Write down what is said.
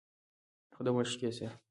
خو د معشوقې سره